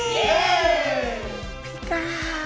พี่กา